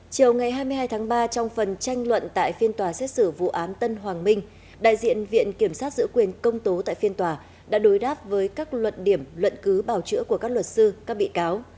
chiều ngày hai mươi hai tháng ba trong phần tranh luận tại phiên tòa xét xử vụ án tân hoàng minh đại diện viện kiểm sát giữ quyền công tố tại phiên tòa đã đối đáp với các luận điểm luận cứ bảo chữa của các luật sư các bị cáo